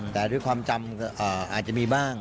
แต่ด้วยความจำอาจจะมีบ้าง